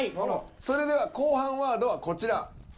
それでは後半ワードはこちら。